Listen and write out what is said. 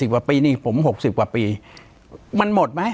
ปากกับภาคภูมิ